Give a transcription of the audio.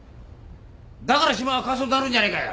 だから島は過疎になるんじゃねえかよ。